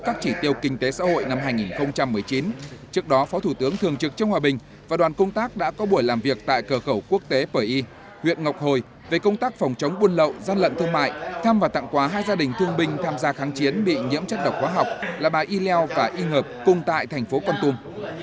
đồng chí trương hòa bình ủy viên bộ chính trị phó thủ tướng thường trực chính phủ và đoàn công tác đã có buổi làm việc với tỉnh con tum về kết quả triển khai năm hai nghìn một mươi chín trên địa bàn tỉnh con tum